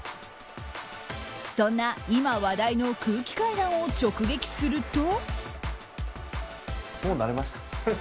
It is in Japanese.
そんな今、話題の空気階段を直撃すると。